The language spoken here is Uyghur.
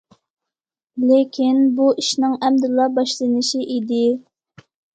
لېكىن بۇ ئىشنىڭ ئەمدىلا باشلىنىشى ئىدى.